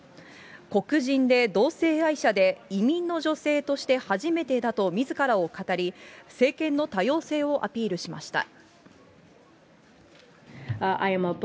黒人で同性愛者で移民の女性として初めてだとみずからを語り、政権の多様性をアピールしました。